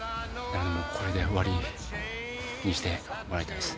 これで終わりにしてもらいたいです。